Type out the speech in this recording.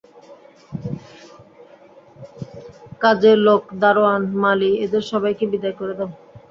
কাজের লোক, দারোয়ান, মালী, এদের সবাইকে বিদায় করে দাও।